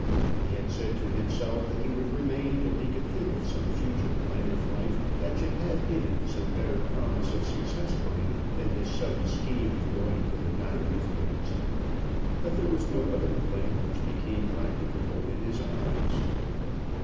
He had said to himself that he would remain till he could think of some future plan of life that should have in it some better promise of success for him than his sudden scheme of going to the diamond fields. But there was no other plan which became practicable in his eyes.